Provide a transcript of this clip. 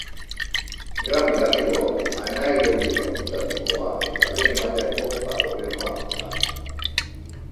Gram negatibo, anaerobio fakultatiboa eta lehen mailako patogenoa da.